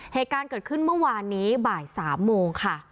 เหตุการณ์เกิดขึ้นเมื่อวานนี้บ่าย๓โมงค่ะ